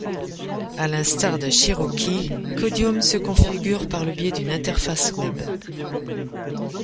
À l'instar de Cherokee, Caudium se configure par le biais d'une interface web.